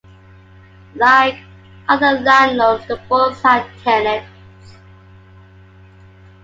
Like other landlords, the Bournes had tenants.